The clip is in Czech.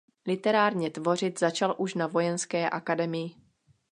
Literárně tvořit začal už na vojenské akademii.